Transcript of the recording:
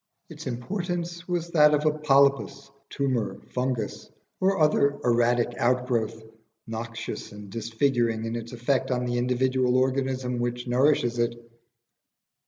Its importance was that of a polypus, tumour, fungus, or other erratic outgrowth, noxious and disfiguring in its effect on the individual organism which nourishes it.